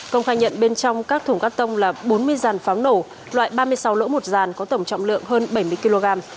công khai nhận bên trong các thùng cắt tông là bốn mươi dàn pháo nổ loại ba mươi sáu lỗ một giàn có tổng trọng lượng hơn bảy mươi kg